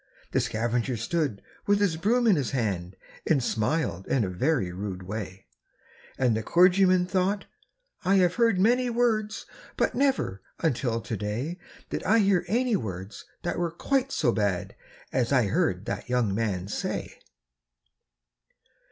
The scavenger stood with his broom in his hand, And smiled in a very rude way; And the clergyman thought, 'I have heard many words, But never, until to day, Did I hear any words that were quite so bad As I heard that young man say.'